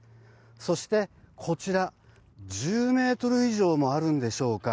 そしてこちら１０ｍ以上もあるんでしょうか。